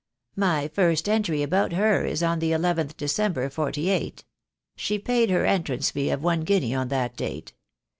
My first entry about her is on the nth December, '48. She paid her entrance fee of one guinea on that date.